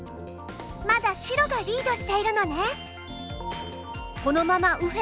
まだ白がリードしているのね。